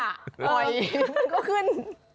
มันก็ขึ้น